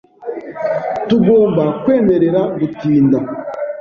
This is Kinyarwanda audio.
Tugomba kwemerera gutinda .